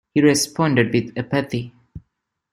He responded with apathy.